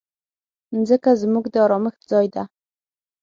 مځکه زموږ د ازمېښت ځای ده.